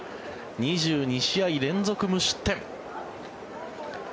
２２試合連続無失点。